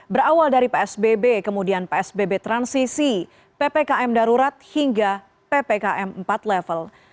berawal dari psbb kemudian psbb transisi ppkm darurat hingga ppkm empat level